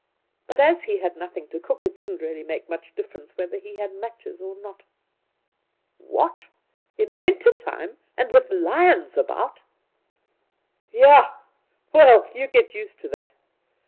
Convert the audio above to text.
But as he had nothing to cook, it didn't reaUy make much differ ence whether he had matches or not.' ' What, in winter time, and with lions about V The Outspan ' Yah ! Well, you get used to that.